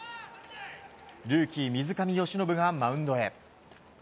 ルーキー水上由伸がマウンドへ。